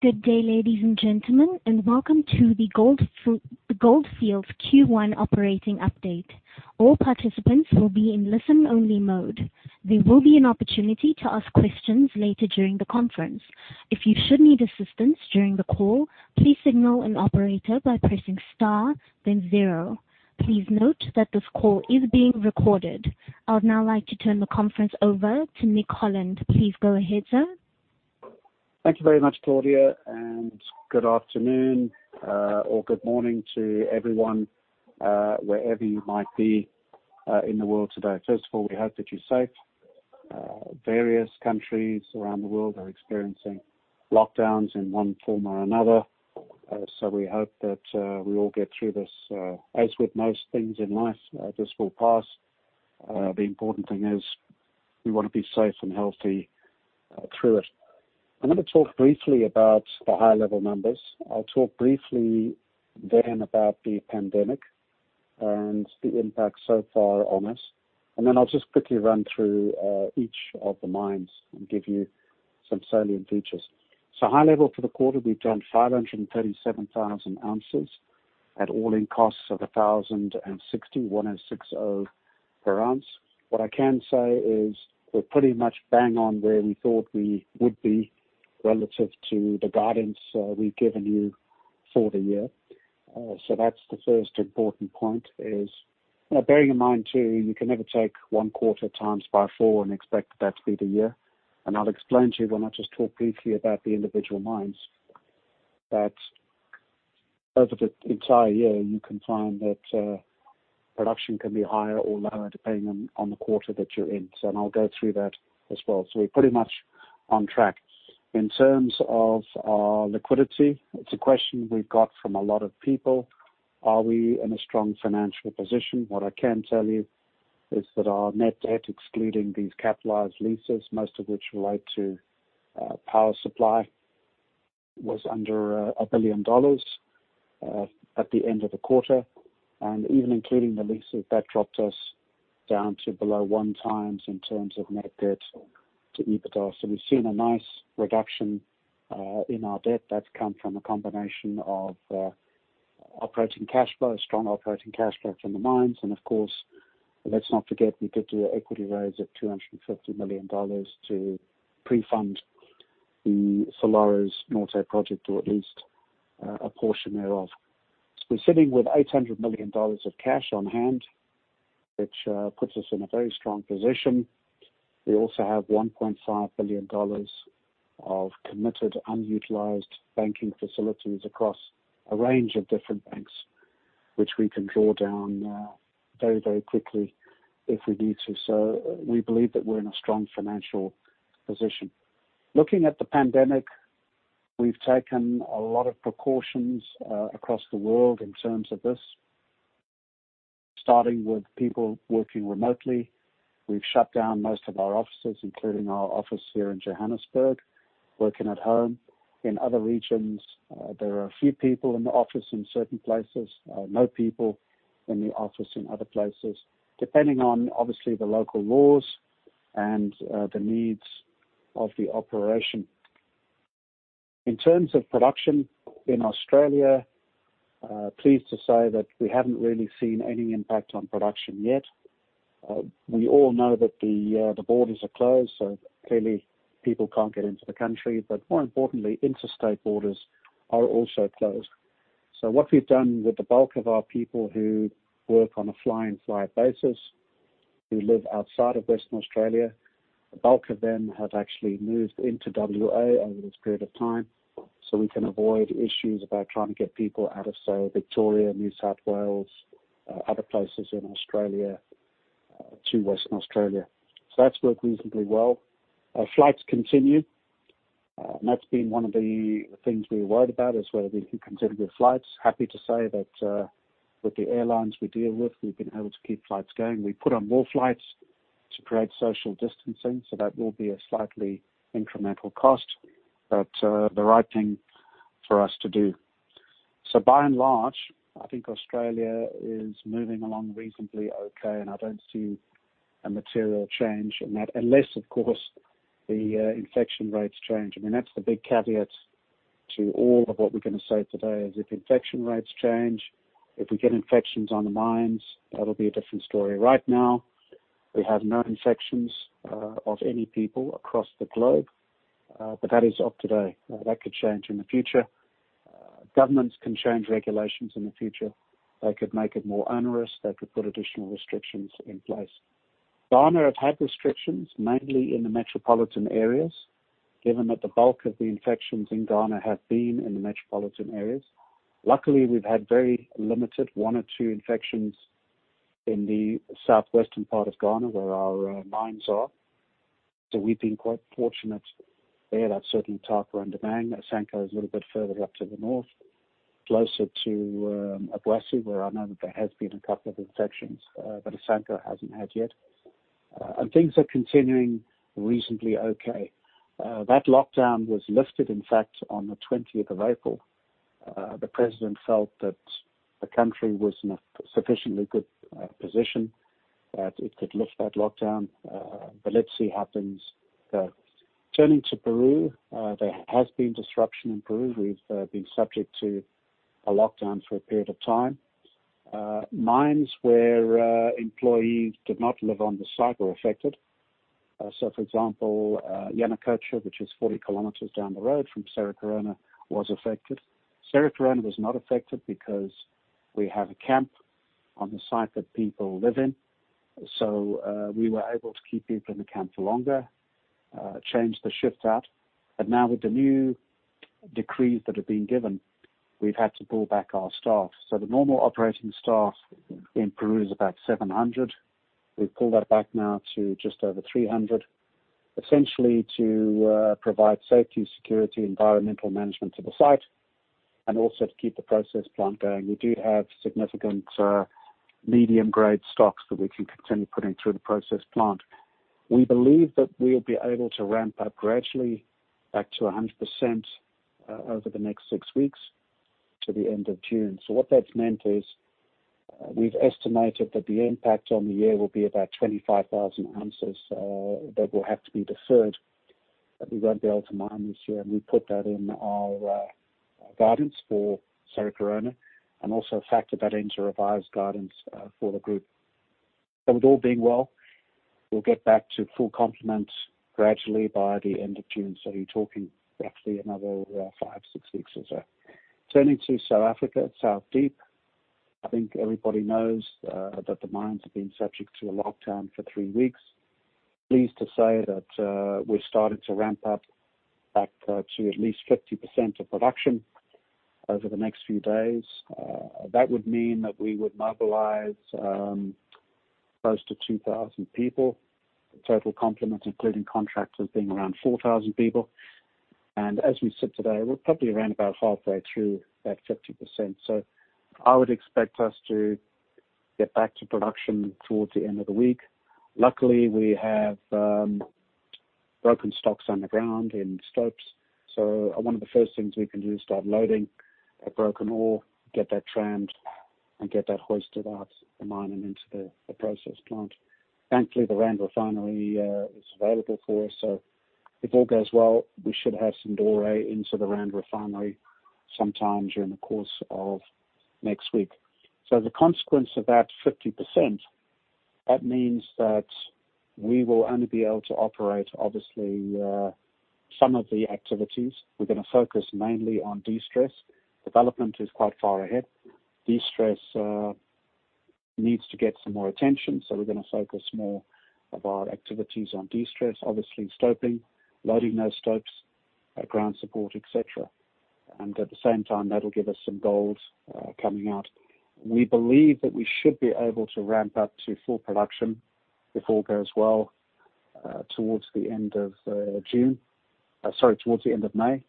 Good day, ladies and gentlemen, welcome to the Gold Fields Q1 operating update. All participants will be in listen-only mode. There will be an opportunity to ask questions later during the conference. If you should need assistance during the call, please signal an operator by pressing star then zero. Please note that this call is being recorded. I would now like to turn the conference over to Nick Holland. Please go ahead, sir. Thank you very much, Claudia, and good afternoon or good morning to everyone, wherever you might be in the world today. First of all, we hope that you're safe. Various countries around the world are experiencing lockdowns in one form or another. We hope that we all get through this. As with most things in life, this will pass. The important thing is we want to be safe and healthy through it. I'm going to talk briefly about the high-level numbers. I'll talk briefly then about the pandemic and the impact so far on us, and then I'll just quickly run through each of the mines and give you some salient features. High level for the quarter, we've done 537,000 ounces at all-in costs of $1,060 per ounce. What I can say is we're pretty much bang on where we thought we would be relative to the guidance we've given you for the year. That's the first important point. Now, bearing in mind too, you can never take one quarter times by four and expect that to be the year. I'll explain to you when I just talk briefly about the individual mines, that over the entire year, you can find that production can be higher or lower depending on the quarter that you're in. I'll go through that as well. We're pretty much on track. In terms of our liquidity, it's a question we've got from a lot of people. Are we in a strong financial position? What I can tell you is that our net debt, excluding these capitalized leases, most of which relate to power supply, was under ZAR 1 billion at the end of the quarter. Even including the leases, that dropped us down to below 1x in terms of net debt to EBITDA. We've seen a nice reduction in our debt that's come from a combination of operating cash flow, strong operating cash flow from the mines, and of course, let's not forget, we did do an equity raise of $250 million to pre-fund the Salares Norte project to at least a portion thereof. We're sitting with ZAR 800 million of cash on hand, which puts us in a very strong position. We also have ZAR 1.5 billion of committed unutilized banking facilities across a range of different banks, which we can draw down very quickly if we need to. We believe that we're in a strong financial position. Looking at the pandemic, we've taken a lot of precautions across the world in terms of this, starting with people working remotely. We've shut down most of our offices, including our office here in Johannesburg, working at home. In other regions, there are a few people in the office in certain places, no people in the office in other places, depending on obviously the local laws and the needs of the operation. In terms of production in Australia, pleased to say that we haven't really seen any impact on production yet. We all know that the borders are closed, so clearly people can't get into the country. More importantly, interstate borders are also closed. What we've done with the bulk of our people who work on a fly-in fly-out basis, who live outside of Western Australia, the bulk of them have actually moved into W.A. over this period of time, so we can avoid issues about trying to get people out of Victoria, New South Wales, other places in Australia to Western Australia. That's worked reasonably well. Flights continue. That's been one of the things we worried about is whether we can continue with flights. Happy to say that with the airlines we deal with, we've been able to keep flights going. We put on more flights to create social distancing, so that will be a slightly incremental cost, but the right thing for us to do. By and large, I think Australia is moving along reasonably okay, and I don't see a material change in that. Unless, of course, the infection rates change. That's the big caveat to all of what we're going to say today is if infection rates change, if we get infections on the mines, that'll be a different story. Right now, we have no infections of any people across the globe, but that is up today. That could change in the future. Governments can change regulations in the future. They could make it more onerous. They could put additional restrictions in place. Ghana have had restrictions, mainly in the metropolitan areas, given that the bulk of the infections in Ghana have been in the metropolitan areas. Luckily, we've had very limited one or two infections in the southwestern part of Ghana where our mines are. We've been quite fortunate there. That's certainly Tarkwa and Damang. Asanko is a little bit further up to the north, closer to Obuasi, where I know that there has been a couple of infections. Asanko hasn't had yet. Things are continuing reasonably okay. That lockdown was lifted, in fact, on the 20th of April. The president felt that the country was in a sufficiently good position that it could lift that lockdown. Let's see happens. Turning to Peru, there has been disruption in Peru. We've been subject to a lockdown for a period of time. Mines where employees did not live on the site were affected. For example, Yanacocha, which is 40 km down the road from Cerro Corona, was affected. Cerro Corona was not affected because we have a camp on the site that people live in. We were able to keep people in the camp for longer, change the shifts out. Now with the new decrees that have been given, we've had to pull back our staff. The normal operating staff in Peru is about 700. We've pulled that back now to just over 300, essentially to provide safety, security, environmental management to the site, and also to keep the process plant going. We do have significant medium-grade stocks that we can continue putting through the process plant. We believe that we'll be able to ramp up gradually back to 100% over the next six weeks to the end of June. What that's meant is, we've estimated that the impact on the year will be about 25,000 ounces that will have to be deferred, that we won't be able to mine this year, and we put that in our guidance for Cerro Corona and also factored that into revised guidance for the group. With all being well, we'll get back to full complement gradually by the end of June. You're talking roughly another five, six weeks or so. Turning to South Africa at South Deep, I think everybody knows that the mines have been subject to a lockdown for three weeks. Pleased to say that we're starting to ramp up back to at least 50% of production over the next few days. That would mean that we would mobilize close to 2,000 people. Total complement, including contractors, being around 4,000 people. As we sit today, we're probably around about halfway through that 50%. I would expect us to get back to production towards the end of the week. Luckily, we have broken stocks underground in stopes. One of the first things we can do is start loading that broken ore, get that trimmed, and get that hoisted out the mine and into the process plant. Thankfully, the Rand Refinery is available for us, so if all goes well, we should have some doré into the Rand Refinery sometime during the course of next week. The consequence of that 50%, that means that we will only be able to operate, obviously, some of the activities. We're going to focus mainly on destress. Development is quite far ahead. Destress needs to get some more attention, so we're going to focus more of our activities on destress, obviously stoping, loading those stopes, ground support, et cetera. At the same time, that'll give us some gold coming out. We believe that we should be able to ramp up to full production, if all goes well, towards the end of June. Sorry, towards the end of May,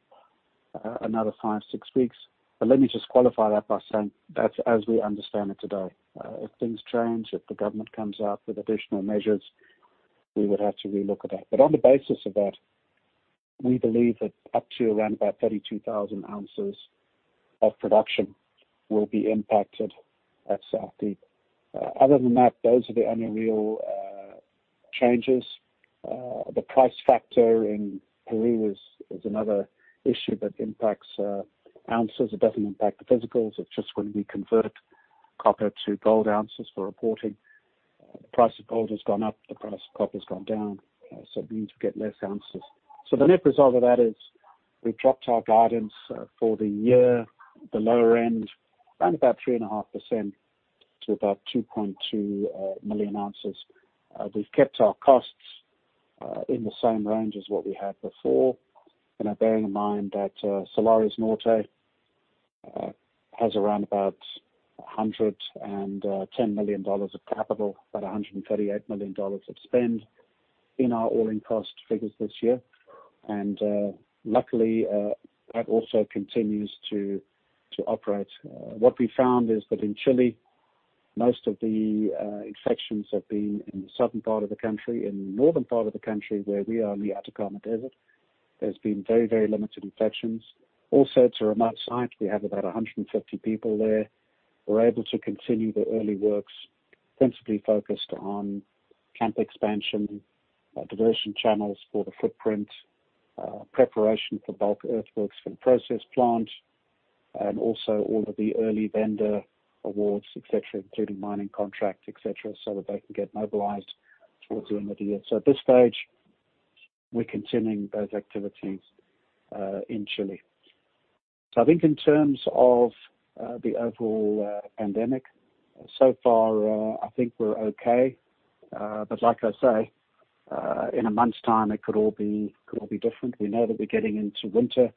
another five, six weeks. Let me just qualify that by saying that's as we understand it today. If things change, if the government comes out with additional measures, we would have to relook at that. On the basis of that, we believe that up to around about 32,000 ounces of production will be impacted at South Deep. Other than that, those are the only real changes. The price factor in Peru is another issue that impacts ounces. It doesn't impact the physicals. It's just when we convert copper to gold ounces for reporting. The price of gold has gone up, the price of copper has gone down, so it means we get less ounces. The net result of that is we've dropped our guidance for the year, the lower end, around about 3.5% to about 2.2 million ounces. We've kept our costs in the same range as what we had before. Bearing in mind that Salares Norte has around about $110 million of capital, about $138 million of spend in our all-in costs figures this year. Luckily, that also continues to operate. What we found is that in Chile, most of the infections have been in the southern part of the country. In the northern part of the country, where we are in the Atacama Desert, there's been very limited infections. Also, it's a remote site. We have about 150 people there. We're able to continue the early works, principally focused on camp expansion, diversion channels for the footprint, preparation for bulk earthworks for the process plant, and also all of the early vendor awards, et cetera, including mining contract, et cetera, so that they can get mobilized towards the end of the year. At this stage, we're continuing those activities in Chile. I think in terms of the overall pandemic, so far, I think we're okay. Like I say, in a month's time, it could all be different. We know that we're getting into winter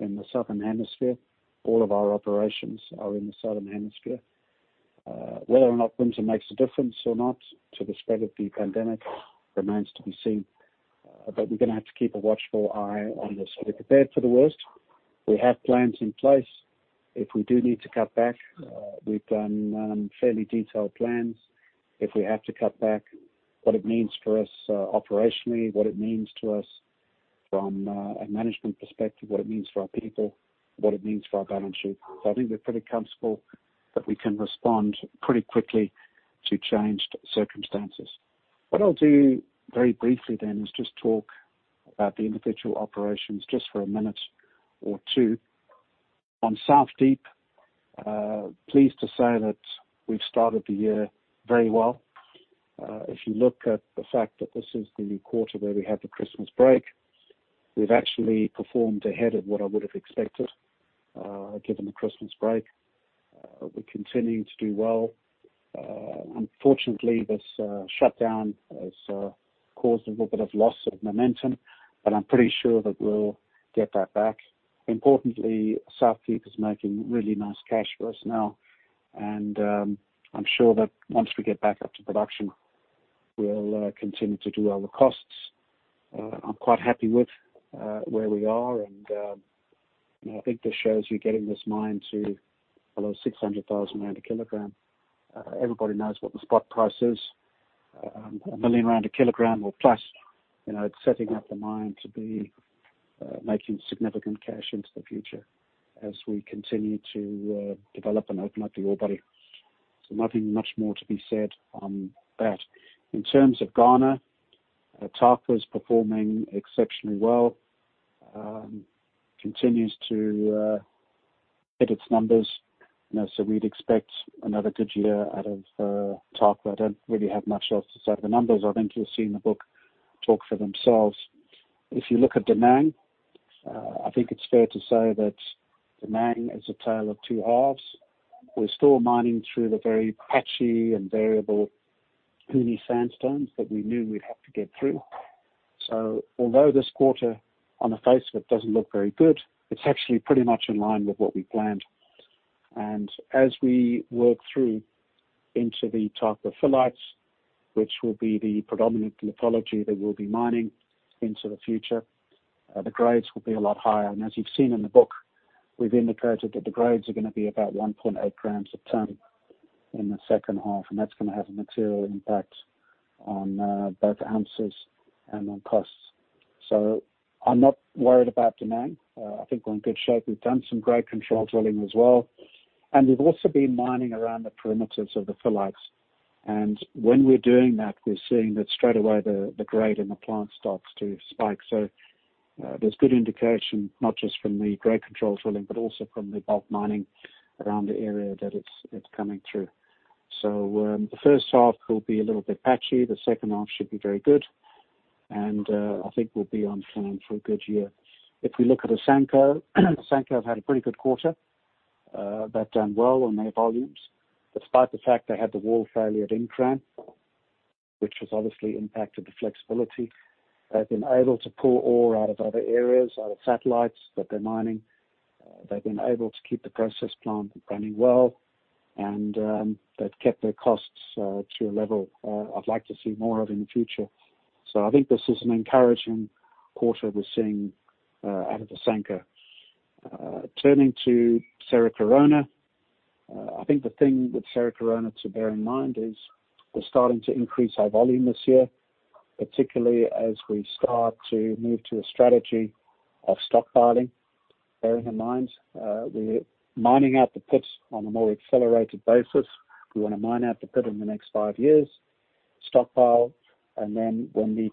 in the Southern Hemisphere. All of our operations are in the Southern Hemisphere. Whether or not winter makes a difference or not to the spread of the pandemic remains to be seen. We're going to have to keep a watchful eye on this. We're prepared for the worst. We have plans in place. If we do need to cut back, we've done fairly detailed plans. If we have to cut back, what it means for us operationally, what it means to us from a management perspective, what it means for our people, what it means for our balance sheet. I think we're pretty comfortable that we can respond pretty quickly to changed circumstances. What I'll do very briefly then is just talk about the individual operations just for a minute or two. On South Deep, pleased to say that we've started the year very well. If you look at the fact that this is the quarter where we have the Christmas break, we've actually performed ahead of what I would have expected, given the Christmas break. We're continuing to do well. Unfortunately, this shutdown has caused a little bit of loss of momentum, but I'm pretty sure that we'll get that back. Importantly, South Deep is making really nice cash for us now, and I'm sure that once we get back up to production, we'll continue to do well with costs. I'm quite happy with where we are, and I think this shows we're getting this mine to below 600,000 rand a kg. Everybody knows what the spot price is, 1 million rand a kg or plus. It's setting up the mine to be making significant cash into the future as we continue to develop and open up the ore body. Nothing much more to be said on that. In terms of Ghana, Tarkwa is performing exceptionally well, continues to hit its numbers. We'd expect another good year out of Tarkwa. I don't really have much else to say. The numbers, I think you'll see in the book, talk for themselves. If you look at Damang, I think it's fair to say that Damang is a tale of two halves. We're still mining through the very patchy and variable Huni Sandstone that we knew we'd have to get through. Although this quarter, on the face of it, doesn't look very good, it's actually pretty much in line with what we planned. As we work through into the Tarkwa Phyllites, which will be the predominant lithology that we'll be mining into the future, the grades will be a lot higher. As you've seen in the book, we've indicated that the grades are going to be about 1.8 g a ton in the second half, and that's going to have a material impact on both ounces and on costs. I'm not worried about Damang. I think we're in good shape. We've done some grade control drilling as well, and we've also been mining around the perimeters of the phyllites. When we're doing that, we're seeing that straightaway the grade and the plant starts to spike. There's good indication, not just from the grade control drilling, but also from the bulk mining around the area that it's coming through. The first half will be a little bit patchy. The second half should be very good. I think we'll be on plan for a good year. If we look at Asanko have had a pretty good quarter. They've done well on their volumes, despite the fact they had the wall failure at Nkran, which has obviously impacted the flexibility. They've been able to pull ore out of other areas, out of satellites that they're mining. They've been able to keep the process plant running well, and they've kept their costs to a level I'd like to see more of in the future. I think this is an encouraging quarter we're seeing out of Asanko. Turning to Cerro Corona, I think the thing with Cerro Corona to bear in mind is we're starting to increase our volume this year, particularly as we start to move to a strategy of stockpiling. Bearing in mind, we're mining out the pits on a more accelerated basis. We want to mine out the pit in the next five years, stockpile, and then when the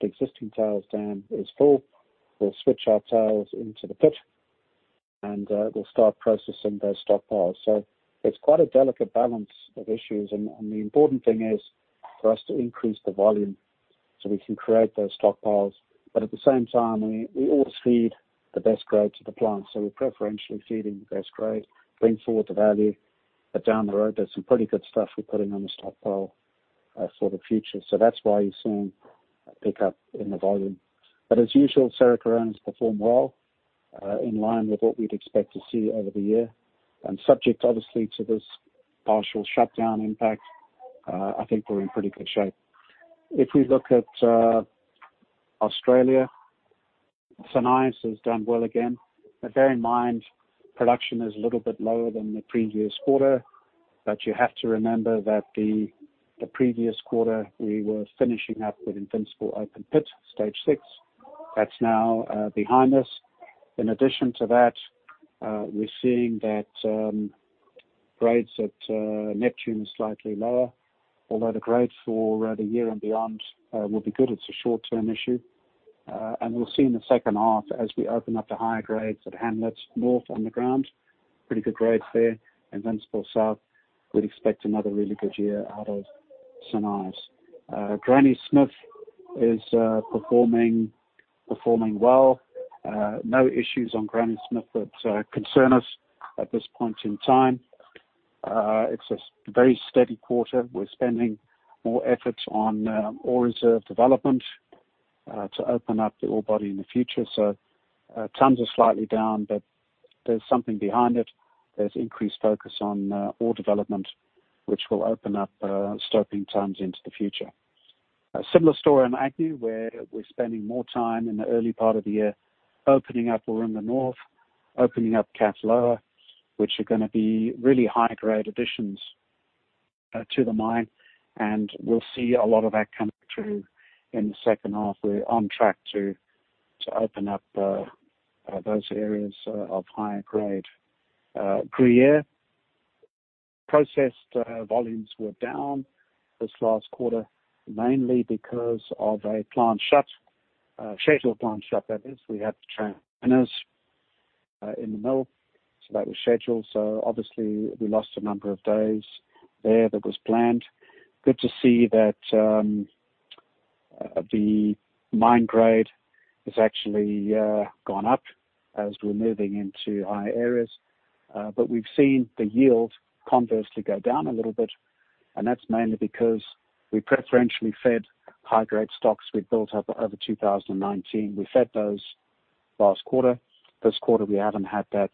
existing tails dam is full, we'll switch our tails into the pit and we'll start processing those stockpiles. It's quite a delicate balance of issues, and the important thing is for us to increase the volume so we can create those stockpiles. At the same time, we always feed the best grade to the plant. We're preferentially feeding the best grade, bring forward the value, but down the road, there's some pretty good stuff we're putting on the stockpile for the future. That's why you're seeing a pickup in the volume. As usual, Cerro Corona has performed well, in line with what we'd expect to see over the year. Subject, obviously, to this partial shutdown impact, I think we're in pretty good shape. If we look at Australia, St Ives has done well again. Bear in mind, production is a little bit lower than the previous quarter. You have to remember that the previous quarter we were finishing up with Invincible Open Pit Stage 6. That's now behind us. In addition to that, we're seeing that grades at Neptune are slightly lower, although the grades for the year and beyond will be good. It's a short-term issue. We'll see in the second half as we open up the higher grades at Hamlet North underground, pretty good grades there. Invincible South, we'd expect another really good year out of St Ives. Granny Smith is performing well. No issues on Granny Smith that concern us at this point in time. It's a very steady quarter. We're spending more efforts on ore reserve development to open up the ore body in the future. Tons are slightly down, but there's something behind it. There's increased focus on ore development, which will open up stoping tons into the future. A similar story in Agnew, where we're spending more time in the early part of the year opening up Aurum in the north, opening up Kath Lower, which are going to be really high-grade additions to the mine, we'll see a lot of that coming through in the second half. We're on track to open up those areas of high grade. Gruyere. Processed volumes were down this last quarter, mainly because of a plant shut, scheduled plant shut, that is. We had to change liners in the mill, that was scheduled. Obviously, we lost a number of days there. That was planned. Good to see that the mine grade has actually gone up as we're moving into higher areas. We've seen the yield conversely go down a little bit, and that's mainly because we preferentially fed high-grade stocks we'd built up over 2019. We fed those last quarter. This quarter, we haven't had that.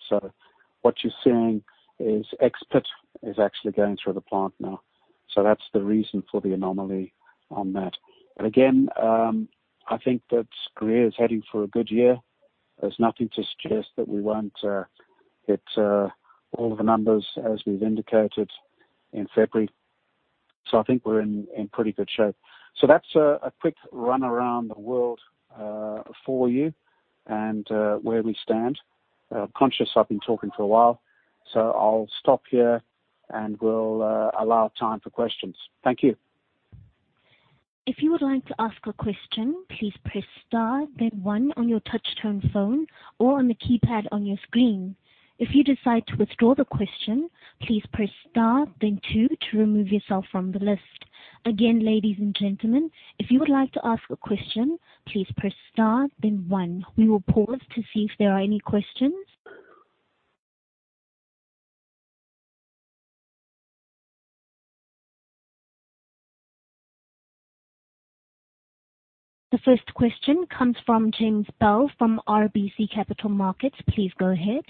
What you're seeing is ex-pit is actually going through the plant now. That's the reason for the anomaly on that. Again, I think that Gruyere is heading for a good year. There's nothing to suggest that we won't hit all of the numbers as we've indicated in February. I think we're in pretty good shape. That's a quick run around the world for you and where we stand. Conscious I've been talking for a while, so I'll stop here and we'll allow time for questions. Thank you. If you would like to ask a question, please press star then one on your touch tone phone or on the keypad on your screen. If you decide to withdraw the question, please press star then two to remove yourself from the list. Again, ladies and gentlemen, if you would like to ask a question, please press star then one. We will pause to see if there are any questions. The first question comes from James Bell from RBC Capital Markets. Please go ahead.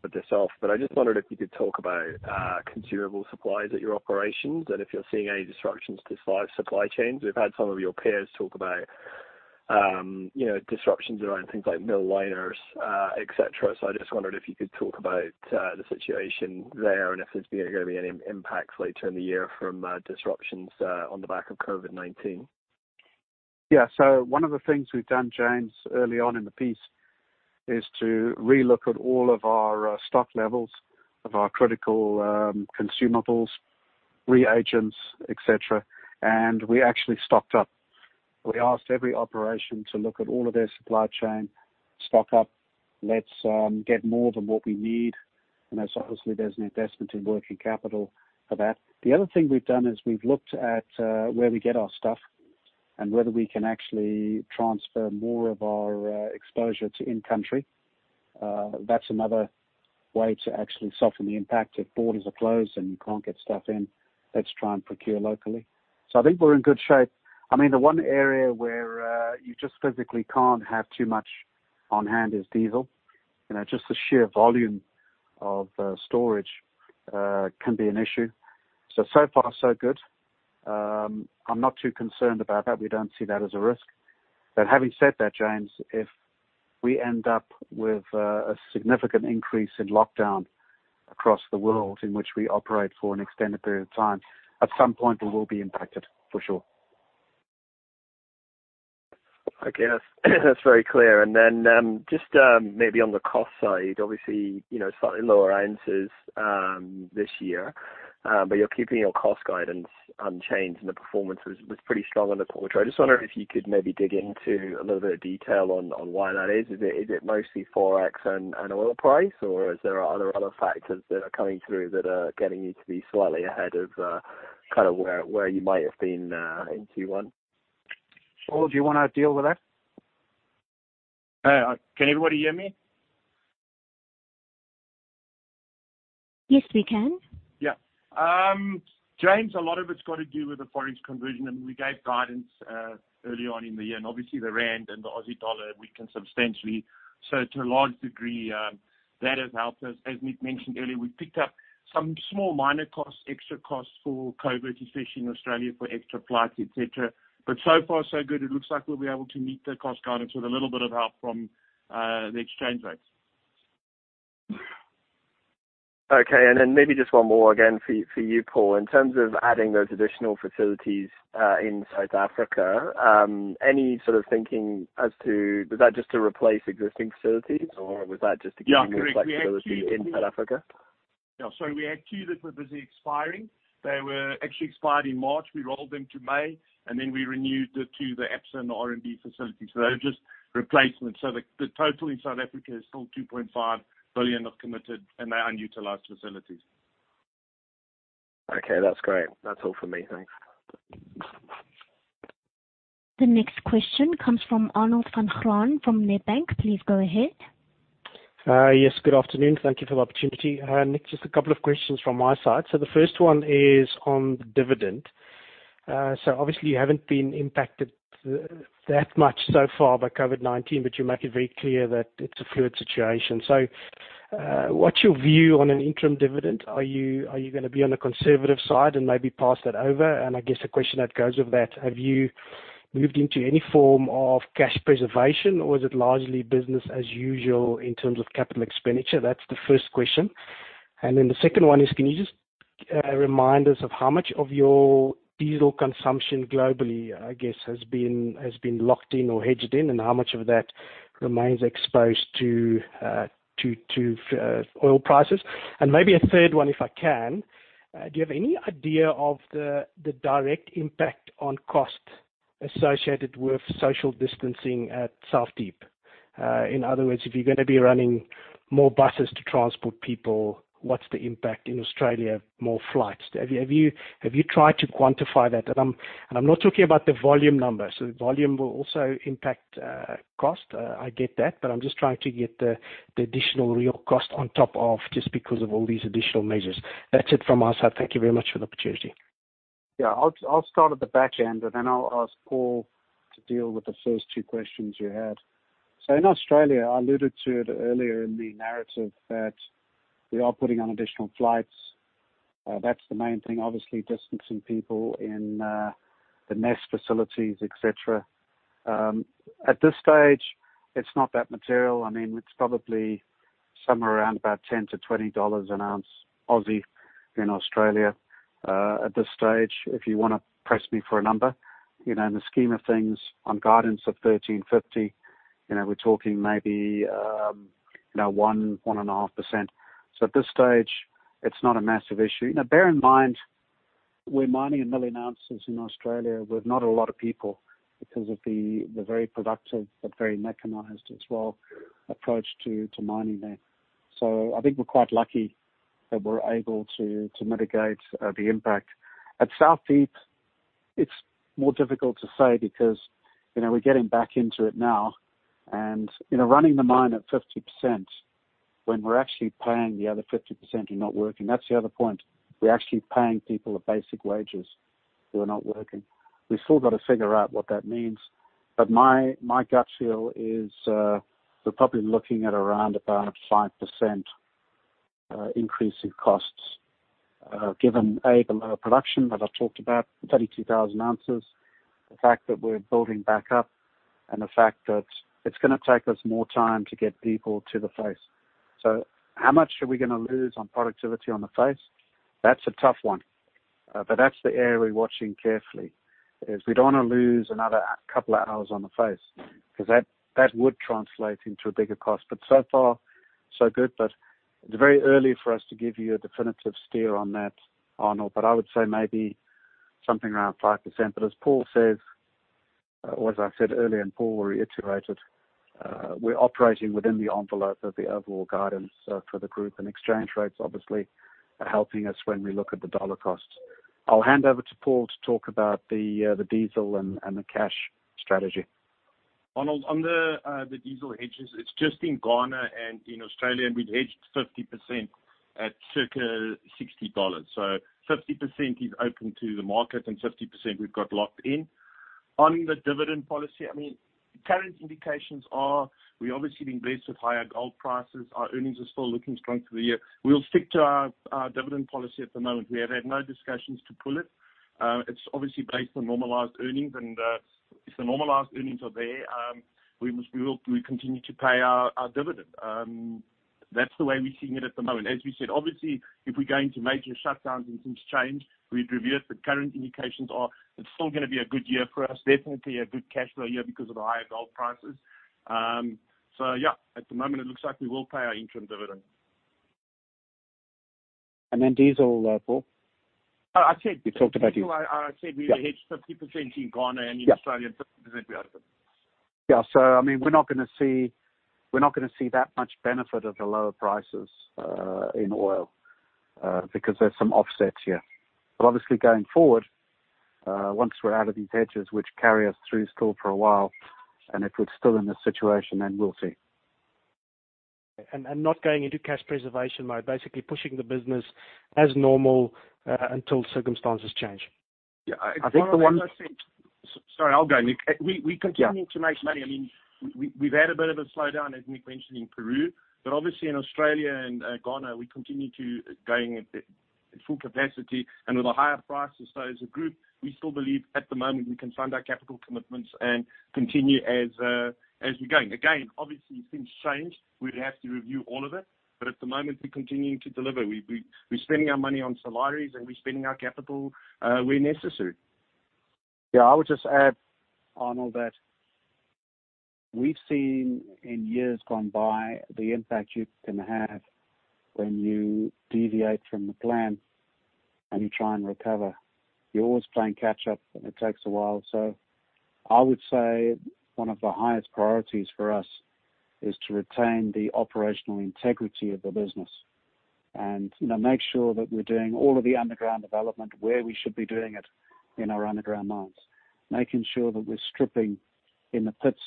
Put this off. I just wondered if you could talk about consumable supplies at your operations and if you're seeing any disruptions to supply chains. We've had some of your peers talk about disruptions around things like mill liners, et cetera. I just wondered if you could talk about the situation there and if there's going to be any impacts later in the year from disruptions on the back of COVID-19. Yeah. One of the things we've done, James, early on in the piece is to relook at all of our stock levels of our critical consumables, reagents, et cetera. We actually stocked up. We asked every operation to look at all of their supply chain, stock up, let's get more than what we need. That's obviously there's an investment in working capital for that. The other thing we've done is we've looked at where we get our stuff and whether we can actually transfer more of our exposure to in-country. That's another way to actually soften the impact. If borders are closed and you can't get stuff in, let's try and procure locally. I think we're in good shape. I mean, the one area where you just physically can't have too much on hand is diesel. Just the sheer volume of storage can be an issue. So far so good. I am not too concerned about that. We do not see that as a risk. Having said that, James, if we end up with a significant increase in lockdown across the world in which we operate for an extended period of time, at some point we will be impacted for sure. Okay. That's very clear. Just maybe on the cost side, obviously, slightly lower ounces this year. You're keeping your cost guidance unchanged and the performance was pretty strong on the quarter. I just wonder if you could maybe dig into a little bit of detail on why that is. Is it mostly Forex and oil price or is there other factors that are coming through that are getting you to be slightly ahead of where you might have been in Q1? Paul, do you wanna deal with that? Can everybody hear me? Yes, we can. James, a lot of it's got to do with the forex conversion. I mean, we gave guidance early on in the year, obviously the rand and the Aussie dollar weakened substantially. To a large degree, that has helped us. As Nick mentioned earlier, we picked up some small minor costs, extra costs for COVID, especially in Australia for extra flights, et cetera. So far so good. It looks like we'll be able to meet the cost guidance with a little bit of help from the exchange rates. Okay. Maybe just one more again for you, Paul. In terms of adding those additional facilities in South Africa, any sort of thinking as to is that just to replace existing facilities or was that just to give? Yeah, correct. more flexibility in South Africa? Yeah. We had two that were busy expiring. They were actually expired in March. We rolled them to May. We renewed the two, the Absa and the RMB facilities. They're just replacements. The total in South Africa is still 2.5 billion of committed and they are unutilized facilities. Okay. That's great. That's all for me. Thanks. The next question comes from Arnold Van Graan from Nedbank. Please go ahead. Yes, good afternoon. Thank you for the opportunity. Nick, just a couple of questions from my side. The first one is on the dividend. Obviously you haven't been impacted that much so far by COVID-19, but you make it very clear that it's a fluid situation. What's your view on an interim dividend? Are you going to be on the conservative side and maybe pass that over? I guess a question that goes with that, have you moved into any form of cash preservation, or is it largely business as usual in terms of capital expenditure? That's the first question. The second one is, can you just remind us of how much of your diesel consumption globally, I guess, has been locked in or hedged in, and how much of that remains exposed to oil prices? Maybe a third one if I can. Do you have any idea of the direct impact on cost associated with social distancing at South Deep? In other words, if you're going to be running more buses to transport people, what's the impact in Australia, more flights? Have you tried to quantify that? I'm not talking about the volume numbers. The volume will also impact cost. I get that. I'm just trying to get the additional real cost on top of just because of all these additional measures. That's it from my side. Thank you very much for the opportunity. Yeah. I'll start at the back end, and then I'll ask Paul to deal with the first two questions you had. In Australia, I alluded to it earlier in the narrative that we are putting on additional flights. That's the main thing. Obviously, distancing people in the mess facilities, et cetera. At this stage, it's not that material. It's probably somewhere around about 10-20 dollars an ounce in Australia, at this stage, if you wanna press me for a number. In the scheme of things on guidance of 1,350, we're talking maybe 1.5%. At this stage, it's not a massive issue. Now bear in mind we're mining 1 million ounces in Australia with not a lot of people because of the very productive but very mechanized as well approach to mining there. I think we're quite lucky that we're able to mitigate the impact. At South Deep, it's more difficult to say because we're getting back into it now, and running the mine at 50% when we're actually paying the other 50% who are not working. That's the other point. We're actually paying people a basic wages who are not working. We still got to figure out what that means. My gut feel is, we're probably looking at around about 5% increase in costs, given, A, the lower production that I've talked about, 32,000 ounces. The fact that we're building back up and the fact that it's gonna take us more time to get people to the face. How much are we gonna lose on productivity on the face? That's a tough one. That's the area we're watching carefully, is we don't want to lose another couple of hours on the face because that would translate into a bigger cost. So far, so good. It's very early for us to give you a definitive steer on that, Arnold, but I would say maybe something around 5%. As Paul says, or as I said earlier, and Paul reiterated, we're operating within the envelope of the overall guidance for the group and exchange rates obviously are helping us when we look at the dollar costs. I'll hand over to Paul to talk about the diesel and the cash strategy. Arnold, on the diesel hedges, it's just in Ghana and in Australia, and we've hedged 50% at circa $60. 50% is open to the market and 50% we've got locked in. On the dividend policy, current indications are we obviously being blessed with higher gold prices. Our earnings are still looking strong through the year. We'll stick to our dividend policy at the moment. We have had no discussions to pull it. It's obviously based on normalized earnings and, if the normalized earnings are there, we continue to pay our dividend. That's the way we're seeing it at the moment. As we said, obviously, if we go into major shutdowns and things change, we'd review it. The current indications are it's still gonna be a good year for us, definitely a good cash flow year because of the higher gold prices. Yeah, at the moment it looks like we will pay our interim dividend. Then diesel, Paul? Oh, I said- You talked about diesel. I said we have hedged 50% in Ghana and in Australia, 50% we open. Yeah. We're not gonna see that much benefit of the lower prices, in oil, because there's some offsets here. Obviously going forward, once we're out of these hedges, which carry us through still for a while, and if we're still in this situation, then we'll see. Not going into cash preservation mode, basically pushing the business as normal, until circumstances change. Yeah. I think. Sorry, I'll go. We're continuing to make money. We've had a bit of a slowdown, as Nick mentioned in Peru, but obviously in Australia and Ghana, we continue to going at full capacity and with a higher price. As a group, we still believe at the moment we can fund our capital commitments and continue as we're going. Again, obviously, if things change, we'd have to review all of it. At the moment, we're continuing to deliver. We're spending our money on salaries and we're spending our capital, where necessary. Yeah. I would just add, Arnold, that we've seen in years gone by the impact you can have when you deviate from the plan and you try and recover. You're always playing catch up and it takes a while. I would say one of the highest priorities for us is to retain the operational integrity of the business and make sure that we're doing all of the underground development where we should be doing it in our underground mines. Making sure that we're stripping in the pits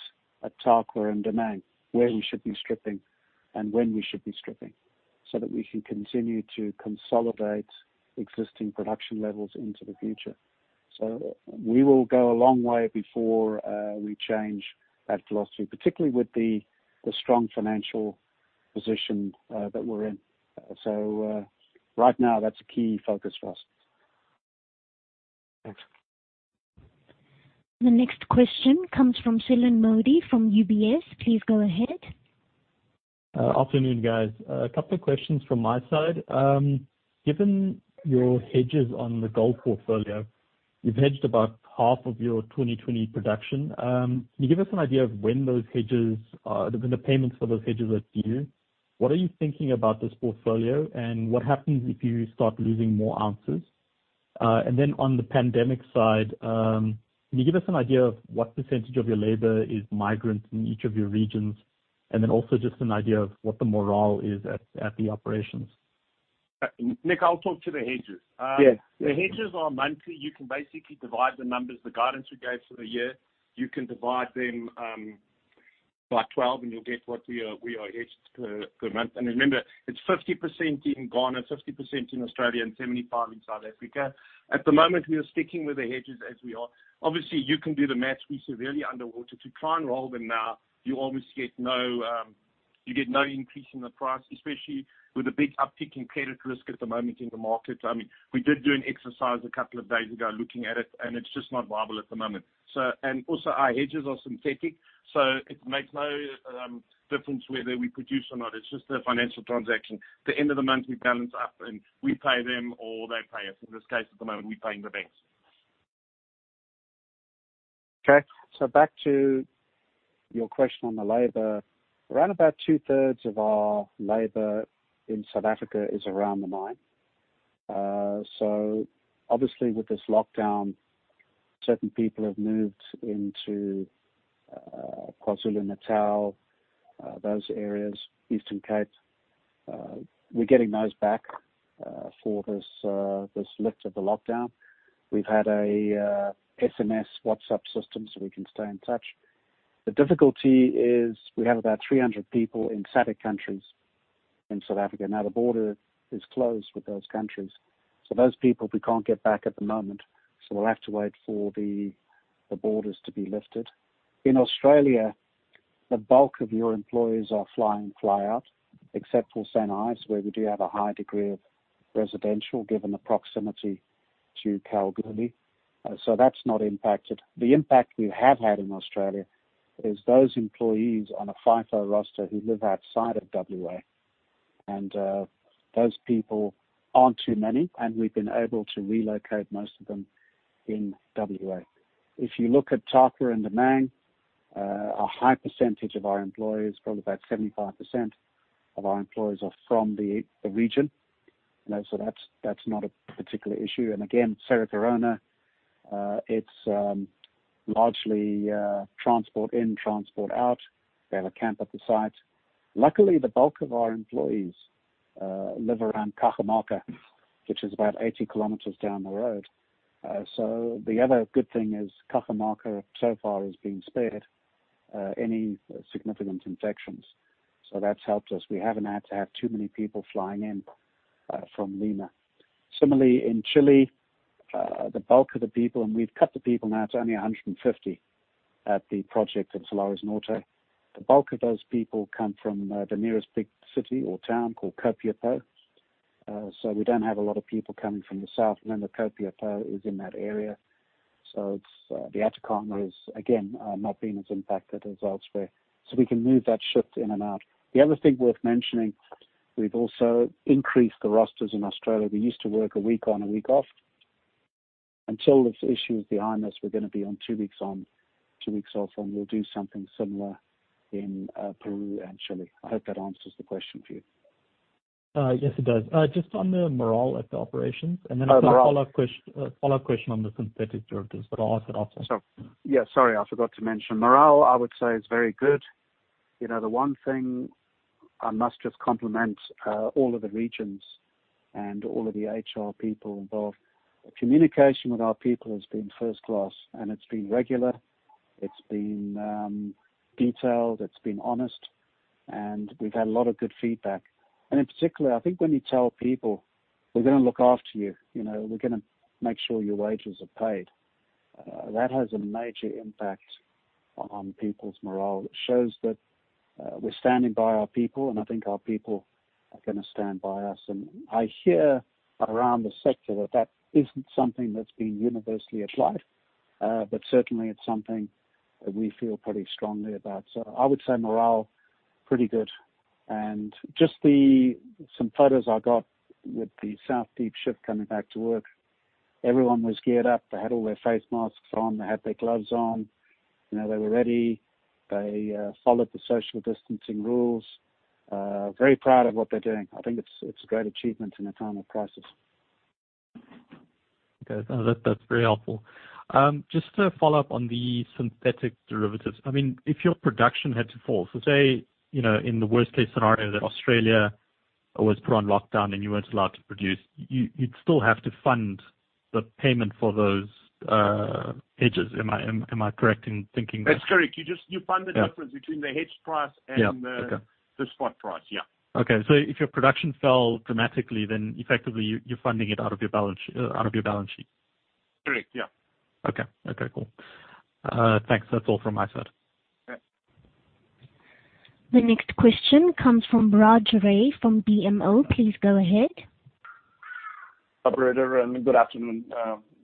at Tarkwa and Damang where we should be stripping and when we should be stripping. That we can continue to consolidate existing production levels into the future. We will go a long way before we change that philosophy, particularly with the strong financial position that we're in. Right now, that's a key focus for us. Thanks. The next question comes from Shilan Modi from UBS. Please go ahead. Afternoon, guys. A couple of questions from my side. Given your hedges on the gold portfolio, you've hedged about half of your 2020 production. Can you give us an idea of when the payments for those hedges are due? What are you thinking about this portfolio, and what happens if you start losing more ounces? On the pandemic side, can you give us an idea of what percentage of your labor is migrant in each of your regions? Also just an idea of what the morale is at the operations. Nick, I'll talk to the hedges. Yes. The hedges are monthly. You can basically divide the numbers, the guidance we gave for the year, you can divide them by 12, and you'll get what we are hedged per month. Remember, it's 50% in Ghana, 50% in Australia, and 75% in South Africa. At the moment, we are sticking with the hedges as we are. Obviously, you can do the math. We are severely underwater. To try and roll them now, you almost get no increase in the price, especially with a big uptick in credit risk at the moment in the market. We did do an exercise a couple of days ago looking at it, and it's just not viable at the moment. Also, our hedges are synthetic, so it makes no difference whether we produce or not. It's just a financial transaction. At the end of the month, we balance up, and we pay them or they pay us. In this case, at the moment, we're paying the banks. Back to your question on the labor. Around about 2/3 of our labor in South Africa is around the mine. Obviously, with this lockdown, certain people have moved into KwaZulu-Natal, those areas, Eastern Cape. We're getting those back for this lift of the lockdown. We've had a SMS WhatsApp system so we can stay in touch. The difficulty is we have about 300 people in SADC countries in South Africa. The border is closed with those countries. Those people we can't get back at the moment, so we'll have to wait for the borders to be lifted. In Australia, the bulk of your employees are fly-in, fly-out, except for St Ives, where we do have a high degree of residential, given the proximity to Kalgoorlie. That's not impacted. The impact we have had in Australia is those employees on a FIFO roster who live outside of W.A. Those people aren't too many, and we've been able to relocate most of them in W.A. If you look at Tarkwa and Damang, a high percentage of our employees, probably about 75% of our employees are from the region. That's not a particular issue. Again, Cerro Corona, it's largely transport in, transport out. They have a camp at the site. Luckily, the bulk of our employees live around Cajamarca, which is about 80 km down the road. The other good thing is Cajamarca so far has been spared any significant infections. That's helped us. We haven't had to have too many people flying in from Lima. Similarly, in Chile, the bulk of the people, and we've cut the people now to only 150 at the project at Salares Norte. The bulk of those people come from the nearest big city or town called Copiapó. We don't have a lot of people coming from the south. Remember, Copiapó is in that area. The Atacama is, again, not being as impacted as elsewhere. We can move that shift in and out. The other thing worth mentioning, we've also increased the rosters in Australia. We used to work a week on, a week off. Until this issue is behind us, we're going to be on two weeks on, two weeks off, and we'll do something similar in Peru and Chile. I hope that answers the question for you. Yes, it does. Just on the morale at the operations. Oh, morale. I've got a follow-up question on the synthetic derivatives, but I'll ask that after. Sorry, I forgot to mention. Morale, I would say, is very good. The one thing I must just compliment all of the regions and all of the HR people involved. Communication with our people has been first class, and it's been regular, it's been detailed, it's been honest, and we've had a lot of good feedback. In particular, I think when you tell people, "We're going to look after you. We're going to make sure your wages are paid." That has a major impact on people's morale. It shows that we're standing by our people, and I think our people are going to stand by us. I hear around the sector that that isn't something that's been universally applied. Certainly, it's something that we feel pretty strongly about. I would say morale, pretty good. Just some photos I got with the South Deep shift coming back to work. Everyone was geared up. They had all their face masks on. They had their gloves on. They were ready. They followed the social distancing rules. Very proud of what they're doing. I think it's a great achievement in a time of crisis. Okay. That's very helpful. Just to follow up on the synthetic derivatives. If your production had to fall, so say, in the worst-case scenario that Australia was put on lockdown and you weren't allowed to produce, you'd still have to fund the payment for those hedges. Am I correct in thinking that? That's correct. You fund the difference. Yeah between the hedge price Yeah. Okay. the spot price. Yeah. If your production fell dramatically, then effectively, you're funding it out of your balance sheet. Correct. Yeah. Okay, cool. Thanks. That's all from my side. Okay. The next question comes from Raj Ray from BMO Capital Markets. Please go ahead. Operator, good afternoon,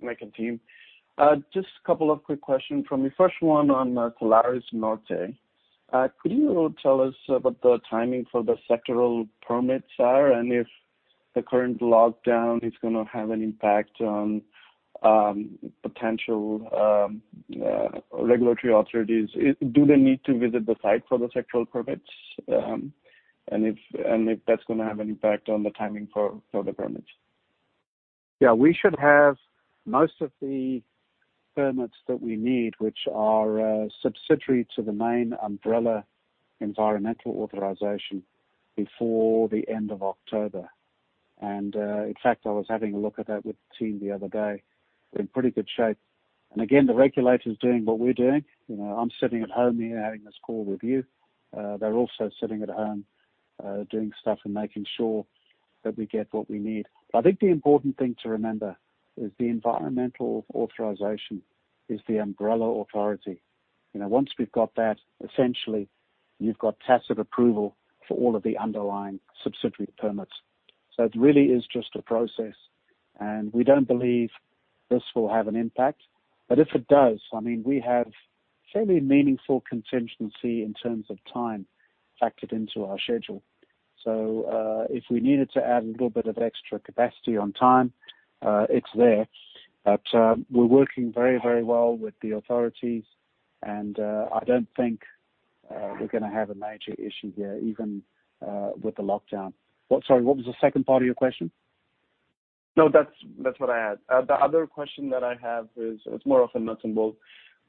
Nick and team. Just a couple of quick questions from me. First one on Salares Norte. Could you tell us what the timing for the sectoral permits are, and if the current lockdown is going to have an impact on potential regulatory authorities? Do they need to visit the site for the sectoral permits? If that's going to have an impact on the timing for the permits. Yeah, we should have most of the permits that we need, which are subsidiary to the main umbrella environmental authorization before the end of October. In fact, I was having a look at that with the team the other day. We're in pretty good shape. Again, the regulator's doing what we're doing. I'm sitting at home here having this call with you. They're also sitting at home, doing stuff and making sure that we get what we need. I think the important thing to remember is the environmental authorization is the umbrella authority. Once we've got that, essentially, you've got tacit approval for all of the underlying subsidiary permits. It really is just a process, and we don't believe this will have an impact. If it does, we have fairly meaningful contingency in terms of time factored into our schedule. If we needed to add a little bit of extra capacity on time, it's there. We're working very well with the authorities, and I don't think we're going to have a major issue here, even with the lockdown. Sorry, what was the second part of your question? No, that's what I had. The other question that I have is, it's more of a notable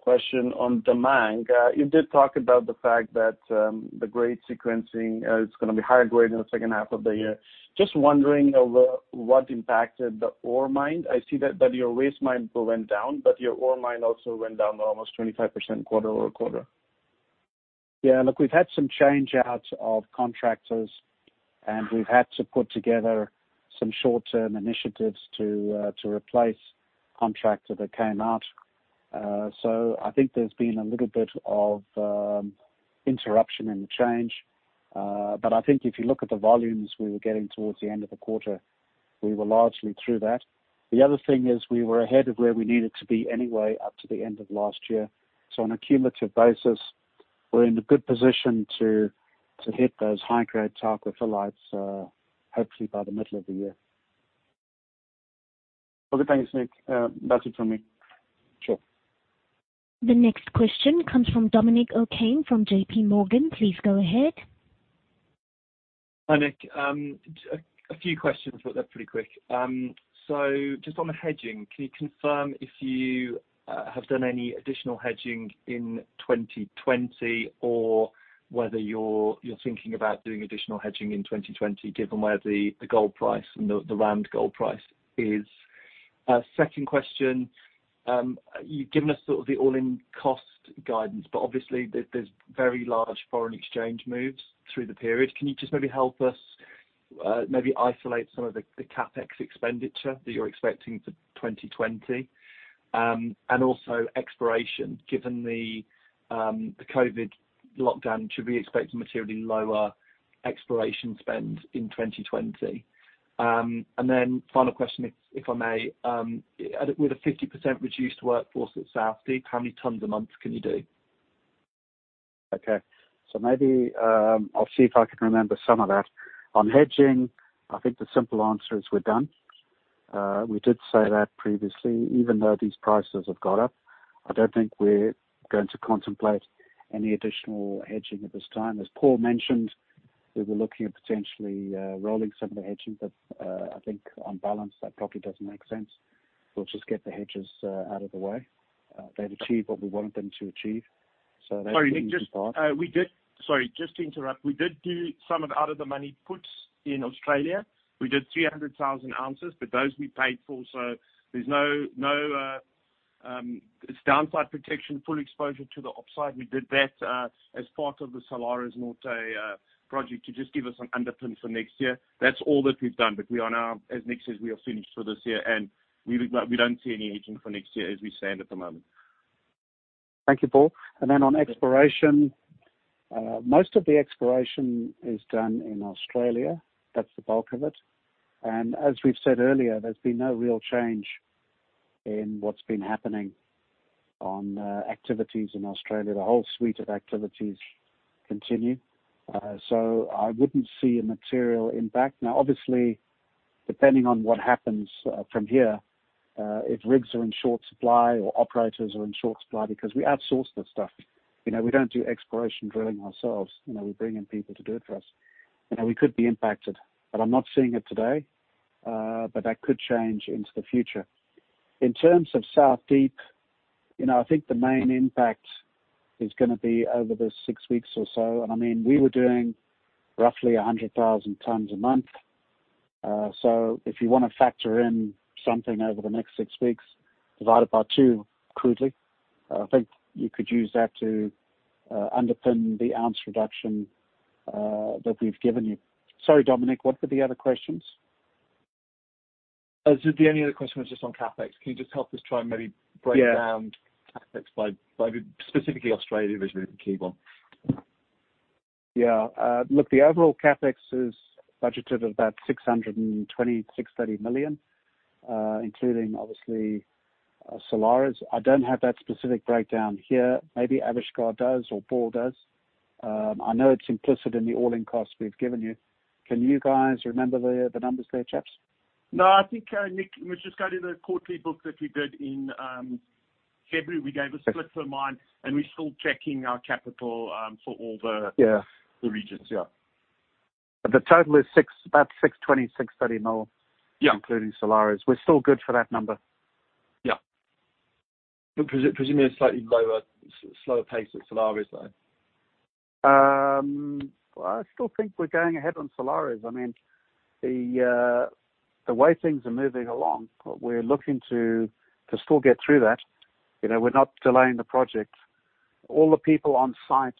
question on Damang. You did talk about the fact that the grade sequencing is going to be higher grade in the second half of the year. Just wondering over what impacted the ore mine. I see that your waste mine went down, your ore mine also went down by almost 25% quarter-over-quarter. Yeah, look, we've had some change out of contractors. We've had to put together some short-term initiatives to replace contractor that came out. I think there's been a little bit of interruption in the change. I think if you look at the volumes we were getting towards the end of the quarter, we were largely through that. The other thing is we were ahead of where we needed to be anyway up to the end of last year. On a cumulative basis, we're in a good position to hit those high-grade Tarkwa Phyllites, hopefully by the middle of the year. Okay. Thanks, Nick. That's it from me. Sure. The next question comes from Dominic O'Kane from JPMorgan. Please go ahead. Hi, Nick. A few questions, they're pretty quick. Just on the hedging, can you confirm if you have done any additional hedging in 2020 or whether you're thinking about doing additional hedging in 2020 given where the gold price and the Rand gold price is? Second question, you've given us sort of the all-in costs guidance, but obviously there's very large foreign exchange moves through the period. Can you just maybe help us maybe isolate some of the CapEx expenditure that you're expecting for 2020? Also exploration, given the COVID lockdown, should we expect materially lower exploration spend in 2020? Final question, if I may, with a 50% reduced workforce at South Deep, how many tons a month can you do? Okay. Maybe, I'll see if I can remember some of that. On hedging, I think the simple answer is we're done. We did say that previously, even though these prices have got up, I don't think we're going to contemplate any additional hedging at this time. As Paul mentioned, we were looking at potentially rolling some of the hedging, but I think on balance that probably doesn't make sense. We'll just get the hedges out of the way. They've achieved what we want them to achieve. That's the first part. Sorry, Nick, just to interrupt. We did do some of out-of-the-money puts in Australia. We did 300,000 ounces, but those we paid for, so It's downside protection, full exposure to the upside. We did that as part of the Salares Norte project to just give us an underpin for next year. That's all that we've done. We are now, as Nick says, we are finished for this year and we don't see any hedging for next year as we stand at the moment. Thank you, Paul. On exploration, most of the exploration is done in Australia. That's the bulk of it. As we've said earlier, there's been no real change in what's been happening on activities in Australia. The whole suite of activities continue. I wouldn't see a material impact. Obviously, depending on what happens from here, if rigs are in short supply or operators are in short supply, because we outsource that stuff. We don't do exploration drilling ourselves. We bring in people to do it for us. We could be impacted, but I'm not seeing it today. That could change into the future. In terms of South Deep, I think the main impact is going to be over the six weeks or so. We were doing roughly 100,000 tons a month. If you want to factor in something over the next six weeks, divide it by two, crudely. I think you could use that to underpin the ounce reduction that we've given you. Sorry, Dominic, what were the other questions? The only other question was just on CapEx. Can you just help us try and maybe break down? Yeah CapEx by specifically Australia with regard to Gruyere. Yeah. Look, the overall CapEx is budgeted at about $626 million-$630 million, including obviously Salares. I don't have that specific breakdown here. Maybe Avishkar does or Paul does. I know it's implicit in the all-in costs we've given you. Can you guys remember the numbers there, chaps? No, I think, Nick, we just got in the quarterly books that we did in February, we gave a split for mine, and we're still checking our capital. Yeah the regions, yeah. the total is about $626 million-$630 million. Yeah including Salares Norte. We're still good for that number. Yeah. Presumably a slightly lower, slower pace at Salares Norte, though. Well, I still think we're going ahead on Salares Norte. The way things are moving along, we're looking to still get through that. We're not delaying the project. All the people on site